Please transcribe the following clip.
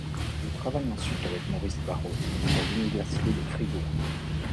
Il travaille ensuite avec Maurice Barraud pour l'université de Fribourg.